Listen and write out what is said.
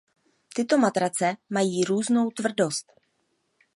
Tyto matrace mají různou tvrdost.